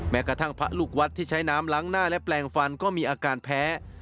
แม้กระทั่งพระลูกวัดที่ใช้น้ำล้างหน้าและแปลงฟันก็มีอาการแพ้